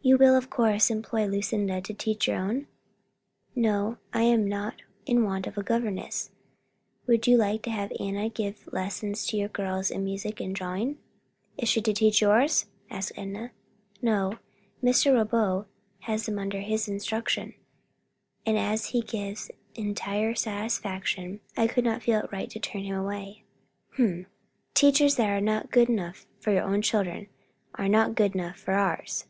"You will of course employ Lucinda to teach your own?" "No, I am not in want of a governess. Would you like to have Anna give lessons to your girls in music and drawing?" "Is she to teach yours?" asked Enna. "No; M. Reboul has them under his instruction, and as he gives entire satisfaction, I could not feel it right to turn him away." "H'm! teachers that are not good enough for your children, are not good enough for ours."